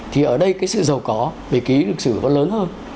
thì ở đây cái sự dâu có về ký ức lịch sử vẫn lớn hơn